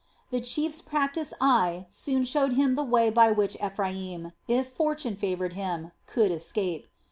The chief's practiced eye soon showed him the way by which Ephraim, if fortune favored him, could escape.